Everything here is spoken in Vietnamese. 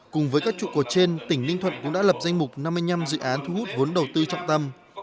cùng với các trụ cột trên tỉnh ninh thuận cũng đã lập danh mục năm mươi năm dự án thu hút vốn đầu tư trọng tâm